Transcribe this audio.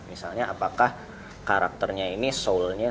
misalnya apakah karakternya ini soul nya